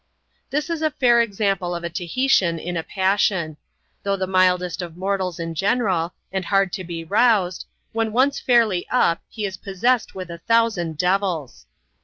This is a fair example of a Tahitian in a passion. Though the mildest of mortals in general, and hard to be roused, when once fairly up, he is possessed with a thousand devils.